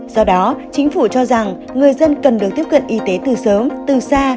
do đó chính phủ cho rằng người dân cần được tiếp cận y tế từ sớm từ xa